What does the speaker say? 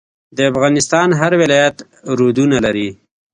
د افغانستان هر ولایت رودونه لري.